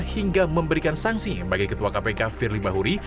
hingga memberikan sanksi bagi ketua kpk firly bahuri